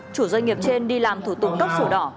chủ doanh nghiệp trên đi làm thủ tục cấp sổ đỏ